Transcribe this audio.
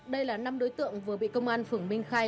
đây là năm đối tượng vừa bị công an phường minh khai